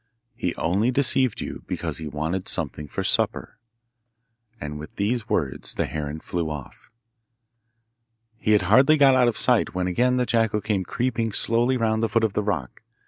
He only deceived you because he wanted something for supper.' And with these words the heron flew off. He had hardly got out of sight when again the jackal came creeping slowly round the foot of the rock.